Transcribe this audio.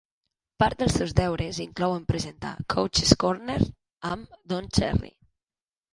Part dels seus deures inclouen presentar "Coach's Corner" amb Don Cherry.